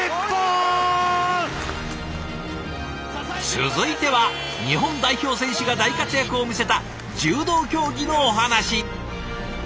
続いては日本代表選手が大活躍を見せた柔道競技のお話。